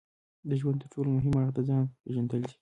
د ژوند ترټولو مهم اړخ د ځان پېژندل دي.